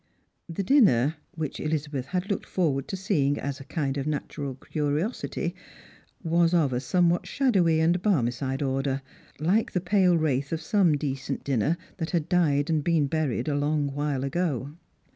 The dinner, which Elizabeth had looked forward to seeing aa a kind of natural curiosity, was of a somewhat shadowy and Barmecide order, like'the pale wraith of some decent dinner that had died and been buried a long while ago.